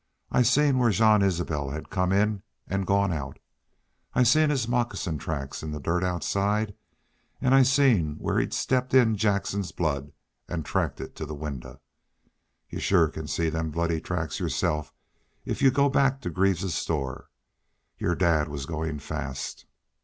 I seen where Jean Isbel had come in an' gone out. I seen his moccasin tracks in the dirt outside an' I seen where he'd stepped in Jackson's blood an' tracked it to the winder. Y'u shore can see them bloody tracks yourself, if y'u go back to Greaves's store.... Your dad was goin' fast....